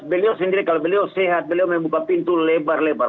beliau sendiri kalau beliau sehat beliau membuka pintu lebar lebar